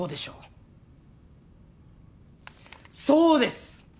そうです。